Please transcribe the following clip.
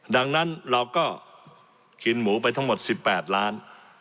ดังนั้นเราก็กินหมูไปทั้งหมด๑๘ล้าน